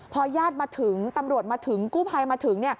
พอญาติมาถึงตำรวจมาถึงกู้ภัยมาถึง